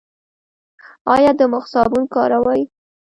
ایا د مخ صابون کاروئ؟